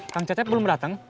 kang cecep belum datang